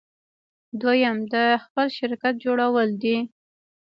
دوهم د خپل شرکت جوړول دي.